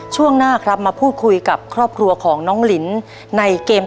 ช่วงหน้าครับมาพูดคุยกับครอบครัวของน้องลินในเกม